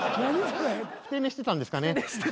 ふて寝してたんですかね。